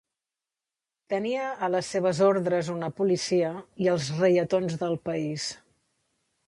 Tenia a les seves ordres una policia, i els reietons del país.